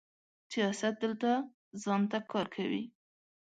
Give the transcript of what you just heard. سیاست دلته ځان ته کار کوي.